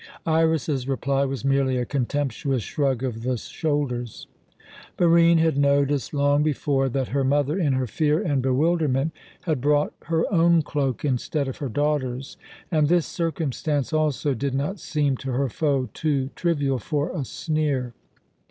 Iras's reply was merely a contemptuous shrug of the shoulders. Barine had noticed long before that her mother, in her fear and bewilderment, had brought her own cloak instead of her daughter's, and this circumstance also did not seem to her foe too trivial for a sneer.